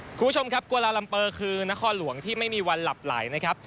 คุณผู้ชมครับกวาลาลัมเปอร์คือนครหลวงที่ไม่มีวันหลับไหลนะครับ